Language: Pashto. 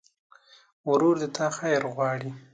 ورور د تا خیر غواړي.